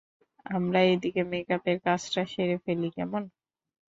আমরা এদিকে মেকআপের কাজটা সেরে ফেলি, কেমন?